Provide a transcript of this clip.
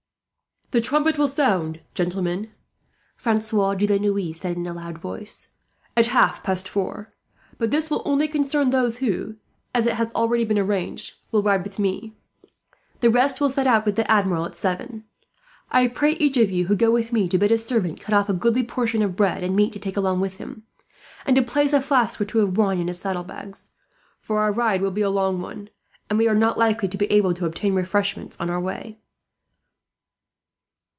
"The trumpet will sound, gentleman," Francois de la Noue said in a loud voice, "at half past four; but this will only concern those who, as it has already been arranged, will ride with me the rest will set out with the Admiral, at seven. I pray each of you who go with me to bid his servant cut off a goodly portion of bread and meat, to take along with him, and to place a flask or two of wine in his saddlebags; for our ride will be a long one, and we are not likely to be able to obtain refreshment on our way."